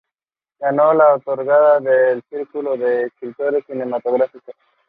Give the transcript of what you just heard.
Bathsheba is smiling and looking into the distance.